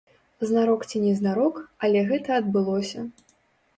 Знарок ці незнарок, але гэта адбылося.